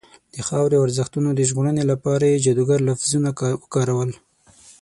د خاورې او ارزښتونو د ژغورنې لپاره یې جادوګر لفظونه وکارول.